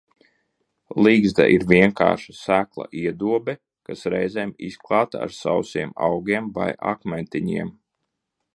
Ligzda ir vienkārša, sekla iedobe, kas reizēm izklāta ar sausiem augiem vai akmentiņiem.